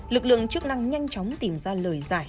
lực lượng chức năng nhanh chóng tìm ra lời giải